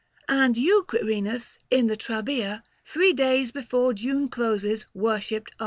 And you, Quirinus, in the trabea, Three days before June closes, worshipped are.